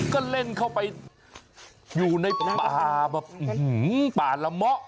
ก็เล่นเข้าไปอยู่ในป่าป่าระมะ